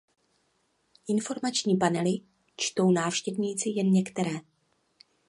Informační panely čtou návštěvníci jen některé.